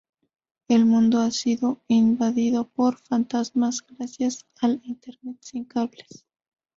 El mundo ha sido invadido por fantasmas gracias al Internet sin cables.